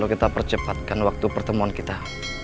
kita percepatkan waktu pertemuan kita